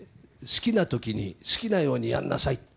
好きな時に好きなようにやりなさいと。